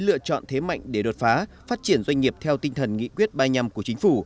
để lựa chọn thế mạnh để đột phá phát triển doanh nghiệp theo tinh thần nghị quyết bay nhầm của chính phủ